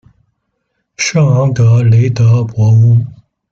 圣昂德雷德博翁。